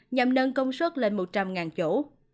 nhằm nâng công suất lên một trăm linh chỗ